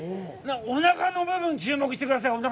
おなかの部分、注目してください。